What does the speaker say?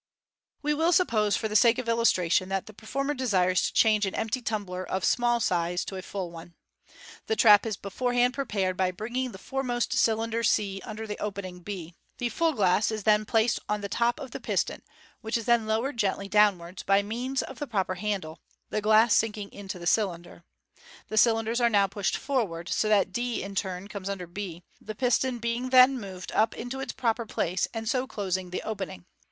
We will suppose, for the sake of illus tration, that the perfo. mer desires to change an empty tumbler (of Fig. 274. M ODERN MA GIC. 445 small s;ze) to a full one. The trap is beforehand prepared by bring ing the foremost cylinder c under the opening b. The full glass is then placed on the top of the piston, which is then lowered gently down wards by means of the proper handle, the glass sinking into the cylinder. The cylinders are now pushed forward, so that d in turn comes under b, the piston being then moved up into its proper place, and so closing the openiug.